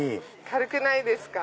軽くないですか？